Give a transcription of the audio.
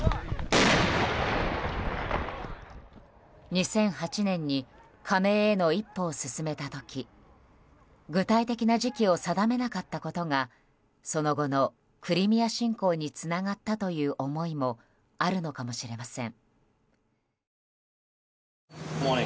２００８年に加盟への一歩を進めた時具体的な時期を定めなかったことがその後のクリミア侵攻につながったという思いもあるのかもしれません。